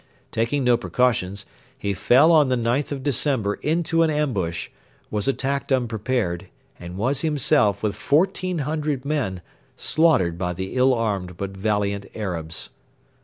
Taking no precautions, he fell on the 9th of December into an ambush, was attacked unprepared, and was himself, with fourteen hundred men, slaughtered by the ill armed but valiant Arabs.